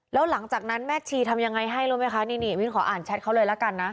แล้วหลังจากนั้นแม่ชีทำยังไงให้รู้ไหมคะนี่วินขออ่านแชทเขาเลยละกันนะ